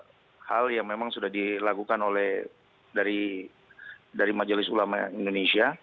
ada hal yang memang sudah dilakukan oleh dari majelis ulama indonesia